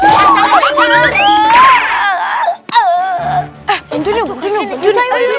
eh pintunya bernyanyi